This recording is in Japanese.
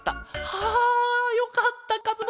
はあよかったかずむ